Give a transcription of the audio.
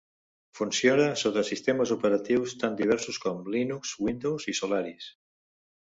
Funciona sota sistemes operatius tan diversos com Linux, Windows i Solaris.